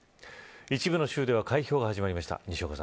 一部の州では開票が始まりました。